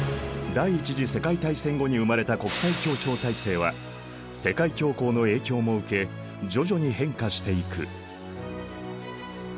第一次世界大戦後に生まれた国際協調体制は世界恐慌の影響も受け徐々に変化していく。